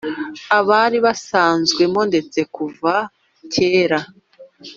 bari basanzwemo ndetse kuva na kera